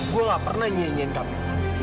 gue gak pernah nyanyiin kamu